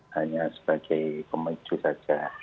hanya sebagai pemeju saja